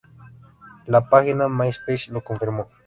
La página MySpace lo confirmó.